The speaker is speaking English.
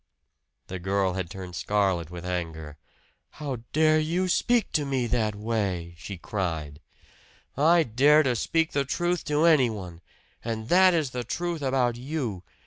The girl had turned scarlet with anger. "How dare you speak to me that way?" she cried. "I dare to speak the truth to anyone! And that is the truth about you!